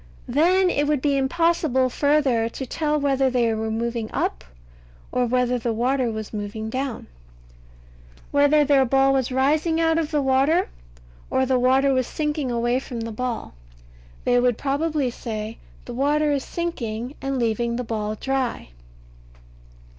Then it would be impossible further to tell whether they were moving up, or whether the water was moving down; whether their ball was rising out of the water, or the water was sinking away from the ball. They would probably say, "The water is sinking and leaving the ball dry."